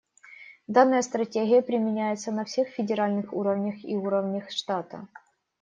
Данная стратегия применяется на всех федеральных уровнях и уровнях штата.